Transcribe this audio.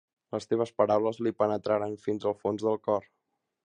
Les teves paraules li penetraren fins al fons del cor.